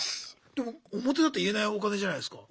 でも表立って言えないお金じゃないすか。